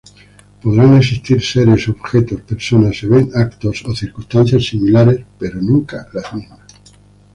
Podrán existir seres, objetos, personas, eventos o circunstancias similares, pero nunca las mismas.